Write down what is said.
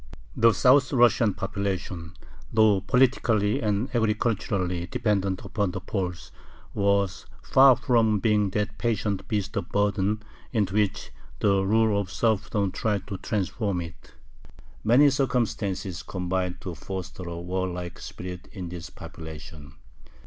The South Russian population, though politically and agriculturally dependent upon the Poles, was far from being that patient "beast of burden" into which the rule of serfdom tried to transform it. Many circumstances combined to foster a warlike spirit in this population.